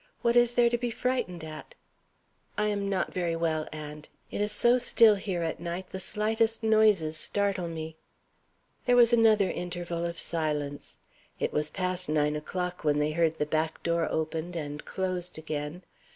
What is there to be frightened at?" "I am not very well, aunt. It is so still here at night, the slightest noises startle me." There was another interval of silence. It was past nine o'clock when they heard the back door opened and closed again.